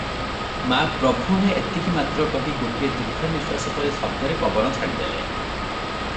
ମା ପ୍ରଭୁହେ"- ଏତିକି ମାତ୍ର କହି ଗୋଟିଏ ଦୀର୍ଘନିଶ୍ୱାସ ପରି ଶବ୍ଦରେ ପବନ ଛାଡ଼ିଦେଲେ ।